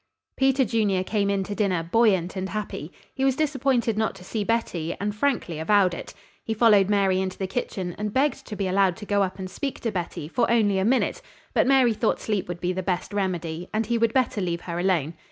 Peter Junior came in to dinner, buoyant and happy. He was disappointed not to see Betty, and frankly avowed it. He followed Mary into the kitchen and begged to be allowed to go up and speak to Betty for only a minute, but Mary thought sleep would be the best remedy and he would better leave her alone.